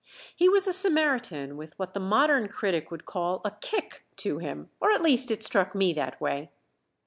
He was a Samaritan with what the modern critic would call a "kick" to him or at least it struck me that way.